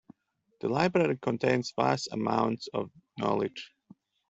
The library contains vast amounts of knowledge.